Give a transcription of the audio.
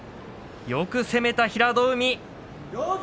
よく攻めた、平戸海。